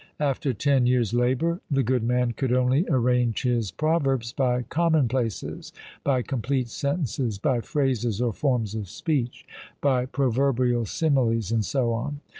After ten years' labour, the good man could only arrange his proverbs by commonplaces by complete sentences by phrases or forms of speech by proverbial similes and so on.